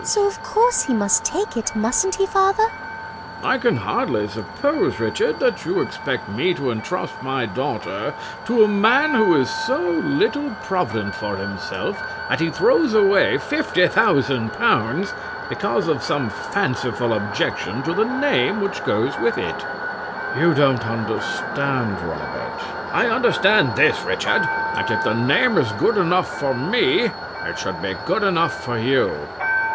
VIOLA. So of course he must take it, mustn't he, father? CRAWSHAW. I can hardly suppose, Richard, that you expect me to entrust my daughter to a man who is so little provident for himself that he throws away fifty thousand pounds because of some fanciful objection to the name which goes with it. RICHARD (in despair). You don't understand, Robert. CRAWSHAW. I understand this, Richard. That if the name is good enough for me, it should be good enough for you.